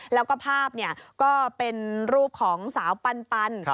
แล้วก็ภาพเนี่ยก็เป็นรูปของสาวปันปัน